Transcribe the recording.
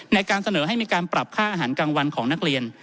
ในการเสนอให้มีการปรับค่าอาหารกลางวันของนักเรียน